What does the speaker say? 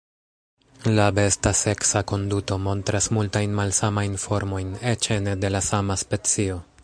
La besta seksa konduto montras multajn malsamajn formojn, eĉ ene de la sama specio.